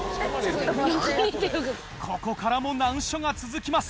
ここからも難所が続きます。